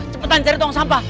cepetan cari tong sampah